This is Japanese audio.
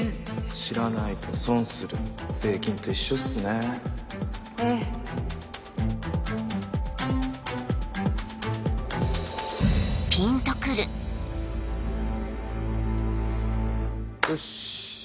知らないと損する税金と一緒っすねええよし！